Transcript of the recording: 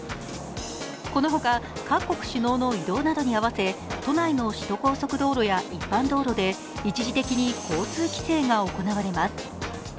このほか各国首脳の移動などに合わせ都内の首都高速道路や一般道路で一時的に交通規制が行われます。